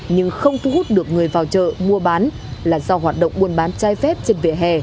nhưng không thu hút được người vào chợ mua bán là do hoạt động buôn bán chai phép trên vỉa hè